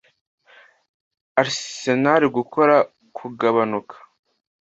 Arsenal Gukora Kugabanuka